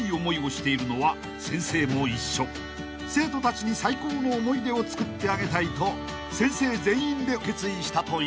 ［生徒たちに最高の思い出をつくってあげたいと先生全員で決意したという］